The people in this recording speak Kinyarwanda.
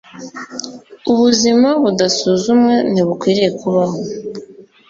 Ubuzima budasuzumwe ntibukwiriye kubaho.”